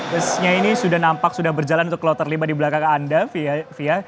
busnya ini sudah nampak sudah berjalan untuk kloter lima di belakang anda fia